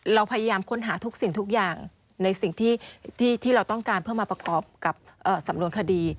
เราพยายามค้นหาทุกสิ่งทุกอย่างในสิ่งที่เราต้องการเพื่อมาประกอบกับสำนวนคดี